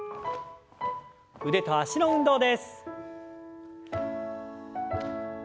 腕と脚の運動です。